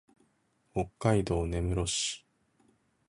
北海道根室市